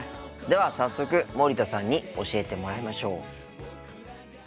では早速森田さんに教えてもらいましょう。